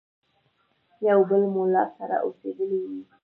یو بل مُلا سره اوسېدلی وي.